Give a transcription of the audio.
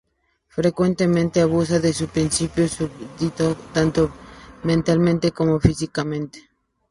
Frecuentemente abusa de sus propios súbditos tanto mentalmente como físicamente.